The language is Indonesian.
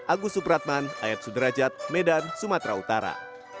agus supratman ayat sudrajat medan sumatera utara